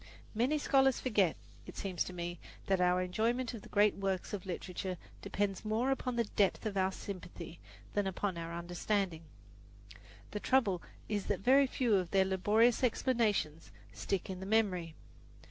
Many scholars forget, it seems to me, that our enjoyment of the great works of literature depends more upon the depth of our sympathy than upon our understanding. The trouble is that very few of their laborious explanations stick in the memory.